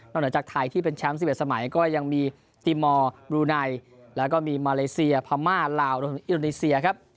เหนือจากไทยที่เป็นแชมป์๑๑สมัยก็ยังมีติมอร์บรูไนแล้วก็มีมาเลเซียพม่าลาวรวมถึงอินโดนีเซียครับ